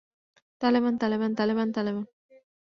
Taliban, Taliban, Taliban, Taliban.